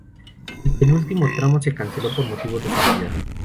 El penúltimo tramo se canceló por motivos de seguridad.